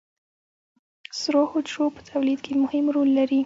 سرو حجرو په تولید کې مهم رول لري